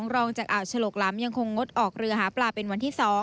รองจากอ่าวฉลกล้ำยังคงงดออกเรือหาปลาเป็นวันที่๒